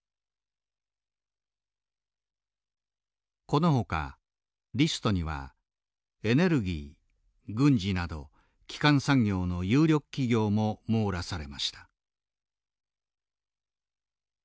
このほかリストにはエネルギー軍事など基幹産業の有力企業も網羅されました。